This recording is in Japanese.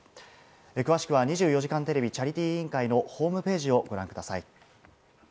詳しくは２４時間テレビチャリティー委員会のホームページをご覧ください。